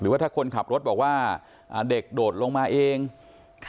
ว่าถ้าคนขับรถบอกว่าอ่าเด็กโดดลงมาเองค่ะ